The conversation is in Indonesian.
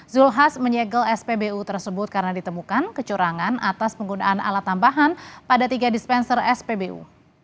zulkifli hasan menyegel spbu tersebut karena ditemukan kecurangan atas penggunaan alat tambahan pada tiga dispenser spbu